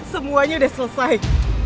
semuanya udah selesai